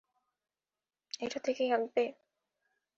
এটা থেকেই আঁকবে?